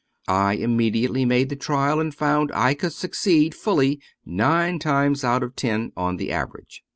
I imme diately made the trial and found I could succeed fully nine times out of ten on an average.